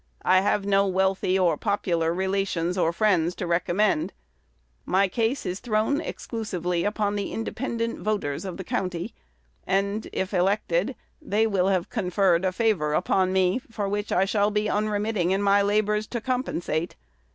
I have no wealthy or popular relations or friends to recommend. My case is thrown exclusively upon the independent voters of the county; and, if elected, they will have conferred a favor upon me, for which I shall be unremitting in my labors to compensate.